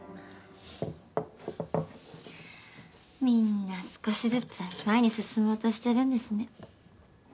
みんな少しずつ前に進もうとしてるんですね。